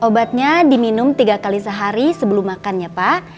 obatnya diminum tiga kali sehari sebelum makan ya pak